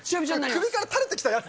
首からたれてきたやつ。